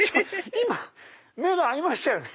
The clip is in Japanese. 今目が合いましたよね。